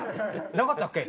なかったっけ？